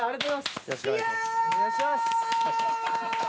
よろしくお願いします。